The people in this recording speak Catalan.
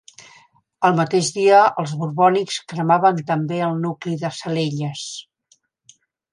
El mateix dia els borbònics cremaven també el nucli de Salelles.